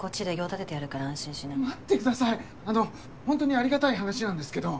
あのほんとにありがたい話なんですけど。